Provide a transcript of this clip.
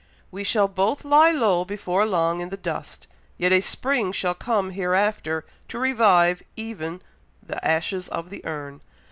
We shall both lie low before long in the dust, yet a spring shall come hereafter to revive even 'the ashes of the urn.'